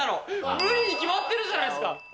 無理に決まってるじゃないですか。